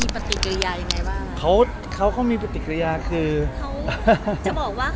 ประสบการณ์แรกของน้องเขามีปฏิกิริยายังไงบ้าง